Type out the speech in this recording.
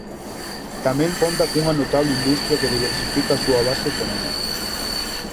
Tamén conta cunha notable industria que diversifica a súa base económica.